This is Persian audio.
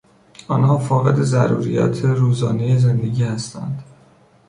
آنها فاقد ضروریات روزانهی زندگی هستند.